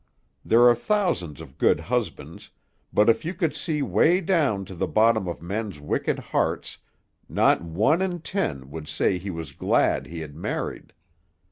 There are thousands of good husbands, but if you could see way down to the bottom of men's wicked hearts not one in ten would say he was glad he had married.